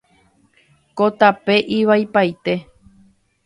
Ko tape ivaipaite.